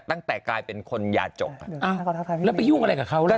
ตั้งแต่กลายเป็นคนยาจกแล้วไปยุ่งอะไรกับเขาแล้ว